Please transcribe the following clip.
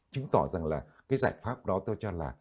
chứng tỏ rằng là cái giải pháp đó tôi cho là